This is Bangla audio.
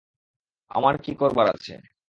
আমার কী করবার আছে?